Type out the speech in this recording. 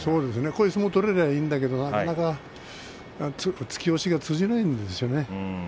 こういう相撲を取れればいいんだけどなかなか突き押しが通じないんですよね。